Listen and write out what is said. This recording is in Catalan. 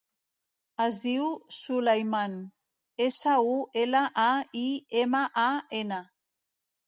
Es diu Sulaiman: essa, u, ela, a, i, ema, a, ena.